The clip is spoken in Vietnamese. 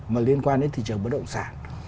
mà liên quan đến thị trường bất động sản